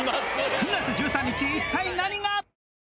９月１３日一体何が？